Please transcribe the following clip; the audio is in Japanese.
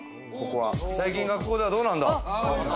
最近学校ではどうなんだ。